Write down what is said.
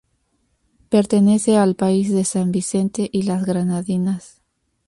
Pertenece al país de San Vicente y las Granadinas.